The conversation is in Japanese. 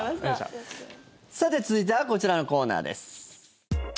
さて、続いてはこちらのコーナーです。